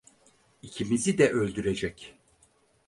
İkimizi de öldürecek.